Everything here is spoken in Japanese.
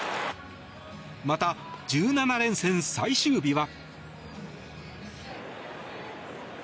また、１７連戦最終日は。